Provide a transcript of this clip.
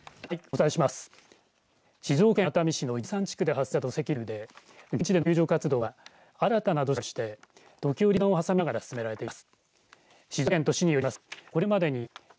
静岡県熱海市の伊豆山地区で発生した土石流で現地での救助活動は新たな土砂災害のおそれがあるとして時折、中断を挟みながら進められています。